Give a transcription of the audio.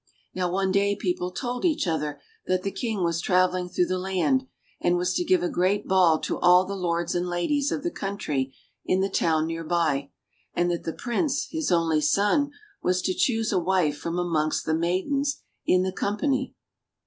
Now one day people told each other that the King was travelling through the land, and was to give a great ball to all the lords and ladies of the country in the town near by, and that the Prince, his only son, was to choose a wife from amongst the maidens in the company.